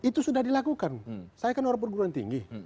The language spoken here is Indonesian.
itu sudah dilakukan saya kan orang perguruan tinggi